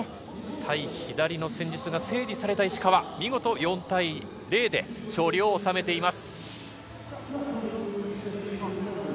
対左の戦術が整理された石川、見事４対０で勝利を収めています。